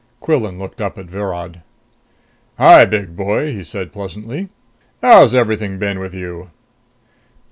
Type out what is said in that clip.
Quillan looked up at Virod. "Hi, big boy!" he said pleasantly. "How's everything been with you?"